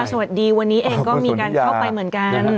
สวัสดีวันนี้เองก็มีการเข้าไปเหมือนกัน